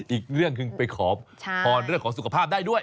อีกเรื่องคือไปขอพรเรื่องของสุขภาพได้ด้วย